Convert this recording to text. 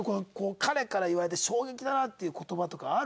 彼から言われて衝撃だなっていう言葉とかある？